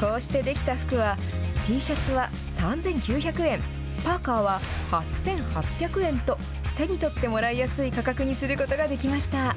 こうしてできた服はＴシャツは３９００円パーカーは８８００円と手に取ってもらいやすい価格にすることができました。